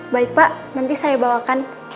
baik pak nanti saya bawakan